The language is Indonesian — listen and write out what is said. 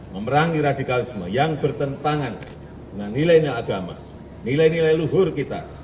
memerangi radikalisme yang bertentangan dengan nilai nilai agama nilai nilai luhur kita